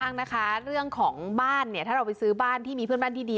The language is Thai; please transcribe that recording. บ้างนะคะเรื่องของบ้านเนี่ยถ้าเราไปซื้อบ้านที่มีเพื่อนบ้านที่ดี